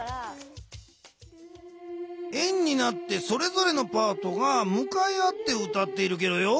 円になってそれぞれのパートがむかい合って歌っているゲロよ。